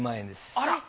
あら。